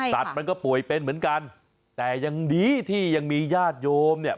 สัตว์มันก็ป่วยเป็นเหมือนกันแต่ยังดีที่ยังมีญาติโยมเนี่ย